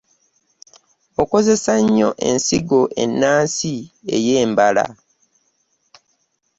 Okukozesa ennyo ensigo ennansi ey’embala.